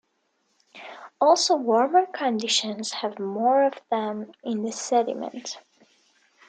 Also warmer conditions have more of them in the sediment.